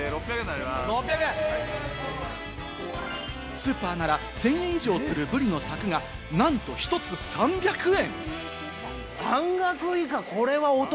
スーパーなら１０００円以上するブリのサクがなんと１つ３００円！